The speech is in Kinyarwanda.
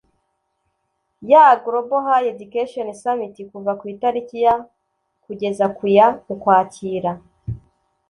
ya global high education summit kuva ku itariki ya kugeza ku ya ukwakira